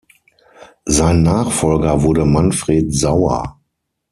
Sein Nachfolger wurde Manfred Sauer.